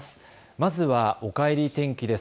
まずはおかえり天気です。